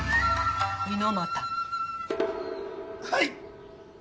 はい！